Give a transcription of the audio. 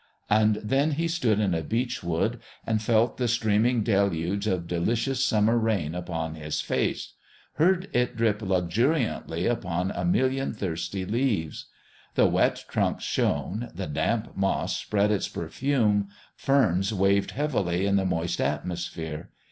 And then he stood in a beech wood and felt the streaming deluge of delicious summer rain upon his face; heard it drip luxuriantly upon a million thirsty leaves. The wet trunks shone, the damp moss spread its perfume, ferns waved heavily in the moist atmosphere.